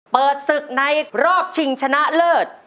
เปิดศึกในรอบชิงชนะเลิศ